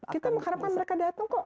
kita mengharapkan mereka datang kok